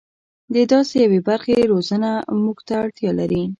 د داسې یوې برخې روزنه موږ ته اړتیا لري.